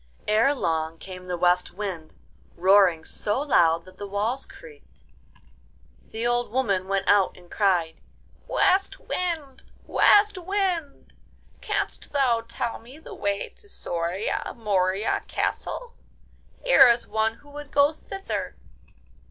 Ere long came the West Wind, roaring so loud that the walls creaked. The old woman went out and cried: 'West Wind! West Wind! Canst thou tell me the way to Soria Moria Castle? Here is one who would go thither.